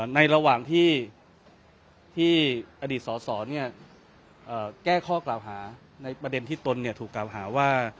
ในระหว่างที่อดีตสอสอแก้ข้อกล่าวหาในประเด็นที่ตนถูกกล่าวหาว่า